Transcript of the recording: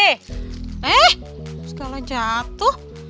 eh terus kalau jatuh